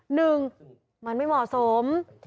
หนึ่งมันไม่เหมาะสม